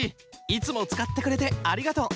いつもつかってくれてありがとう！